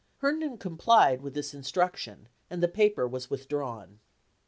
Herndon complied with this instruc tion and the paper was withdrawn.